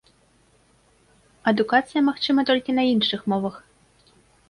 Адукацыя магчыма толькі на іншых мовах.